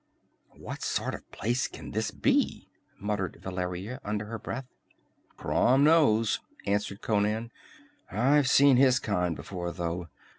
"What sort of a place can this be?" muttered Valeria under her breath. "Crom knows!" answered Conan. "I've seen his kind before, though.